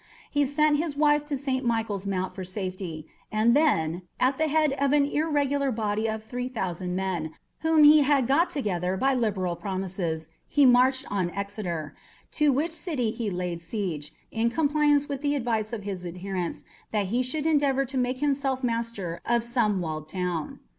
He sent his wife to St. Michael's Mount for safety; and then, at the head of an irregular body of three thousand men, whom he had got together by liberal promises, he marched on Exeter, to which city he laid siege, in compliance with the advice of his adherents that he should endeavour to make himself master of some walled town.